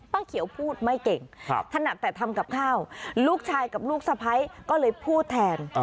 เขียวพูดไม่เก่งถนัดแต่ทำกับข้าวลูกชายกับลูกสะพ้ายก็เลยพูดแทน